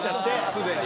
すでに。